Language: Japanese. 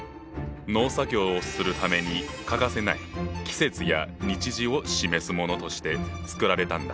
農作業をするために欠かせない季節や日時を示すものとして作られたんだ。